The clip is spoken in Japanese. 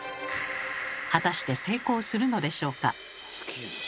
果たして成功するのでしょうか。